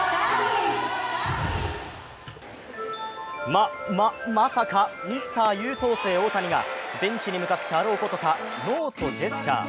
ま、ま、まさかミスター優等生・大谷がベンチに向かってあろうことかノーとジャスチャー。